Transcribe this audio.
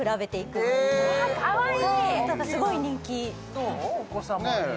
どうお子様に？